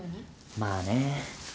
まあね。